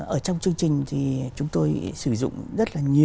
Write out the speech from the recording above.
ở trong chương trình thì chúng tôi sử dụng rất là nhiều